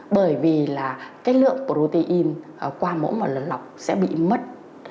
bởi vì lượng protein qua mỗng và lọc sẽ bị mất